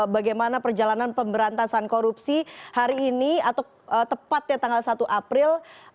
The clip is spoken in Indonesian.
bagaimana perjalanan pemberantasan korupsi hari ini atau tepatnya tanggal satu april